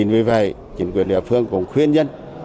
vì vậy chính quyền địa phương cũng khuyên dân